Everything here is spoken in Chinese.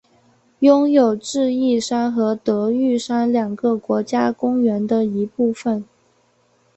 拥有智异山和德裕山两个国家公园的一部份。